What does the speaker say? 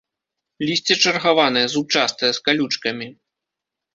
Лісце чаргаванае, зубчастае, з калючкамі.